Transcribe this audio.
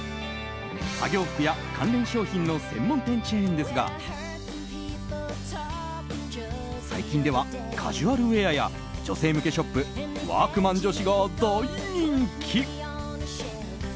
作業服や関連商品の専門チェーンですが最近では、カジュアルウェアや女性向けショップワークマン女子が大人気。